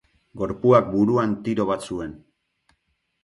Gorpuak buruan tiro bat zuen.